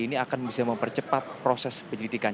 ini akan bisa mempercepat proses penyelidikan